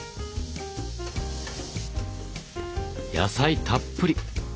野菜たっぷり！